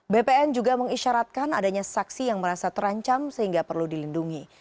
bpn juga mengisyaratkan adanya saksi yang merasa terancam sehingga perlu dilindungi